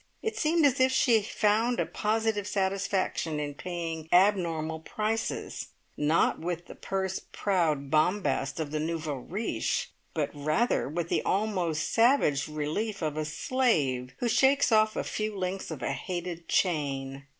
It seemed as if she found a positive satisfaction in paying abnormal prices, not with the purse proud bombast of the nouveau riche, but rather with the almost savage relief of a slave who shakes off a few links of a hated chain.